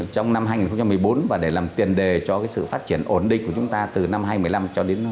trong năm hai nghìn một mươi bốn và để làm tiền đề cho sự phát triển ổn định của chúng ta từ năm hai nghìn một mươi năm cho đến nay